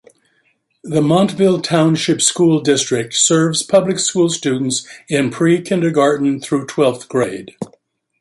The Montville Township School District serves public school students in pre-kindergarten through twelfth grade.